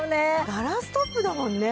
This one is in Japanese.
ガラストップだもんね。